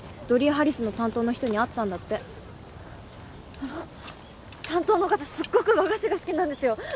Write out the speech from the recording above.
ドリーハリスの担当の人に会ったんだってあの担当の方すっごく和菓子が好きなんですよ